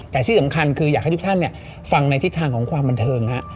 แต่ที่สำคัญคืออยากให้ทุกท่านฟังในทิศทางของความบันเทิงฮะ